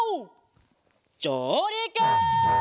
じょうりく！